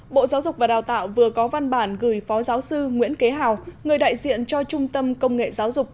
bộ giáo dục và đào tạo vừa có văn bản gửi phó giáo sư nguyễn kế hào người đại diện cho trung tâm công nghệ giáo dục